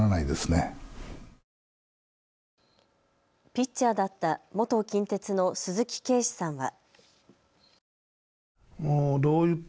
ピッチャーだった元近鉄の鈴木啓示さんは。